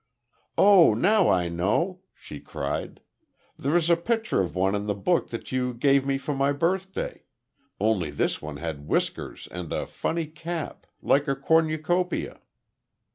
"Oh, now I know!" she cried. "There's a picture of one in the book that you gave me for my birthday. Only this one had whiskers and a funny cap like a cornucopia."